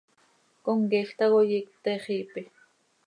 Comqueej tacoi iicp pte xiipe.